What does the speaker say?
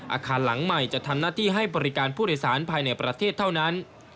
อาคารหลังใหม่จะทำหน้าที่ให้บริการผู้โดยสารภายในประเทศเท่านั้น